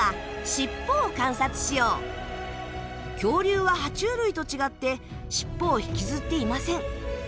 恐竜はは虫類と違って尻尾を引きずっていません。